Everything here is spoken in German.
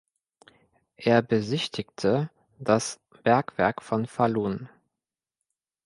Er besichtigte das Bergwerk von Falun.